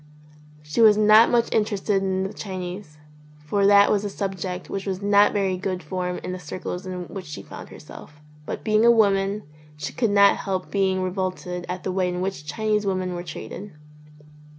She was not much interested in the Chinese, for that was a subject which was not very good form in the circles in which she found herself, but being a woman she could not help being revolted at the way in which Chinese women were treated.